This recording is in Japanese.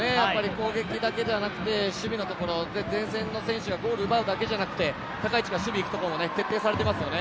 攻撃だけじゃなくて守備のところ、前線の選手がボールを奪うだけじゃなくて、高い位置から守備に行くところも徹底されていますよね。